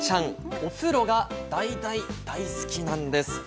お風呂が大大大好きなんです！